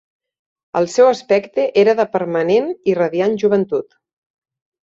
El seu aspecte era de permanent i radiant joventut.